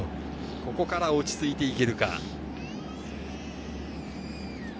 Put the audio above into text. ここから落ち着いていけるか？